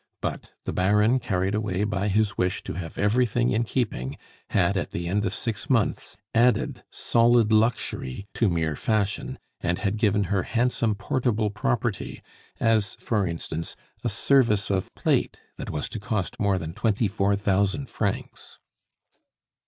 But the Baron, carried away by his wish to have everything in keeping, had at the end of six months, added solid luxury to mere fashion, and had given her handsome portable property, as, for instance, a service of plate that was to cost more than twenty four thousand francs.